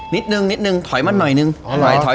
นิดนึงนิดนึงท้อยนำหน่อยนึงอ๋อเหรอไหวท้อย